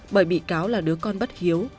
bởi bị cáo là đứa con bất hiếu